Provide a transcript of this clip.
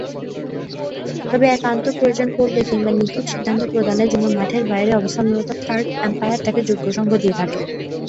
তবে, একান্ত প্রয়োজন পড়লে কিংবা নিখুঁত সিদ্ধান্ত প্রদানের জন্যে মাঠের বাইরে অবস্থানরত থার্ড আম্পায়ার তাঁকে যোগ্য সঙ্গ দিয়ে থাকেন।